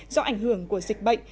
do ảnh hưởng của dịch bệnh